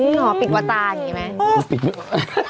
นี่หรอปิดษาแบบนี้ไหม